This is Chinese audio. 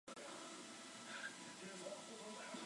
普利茅斯县是美国麻萨诸塞州东南海岸的一个县。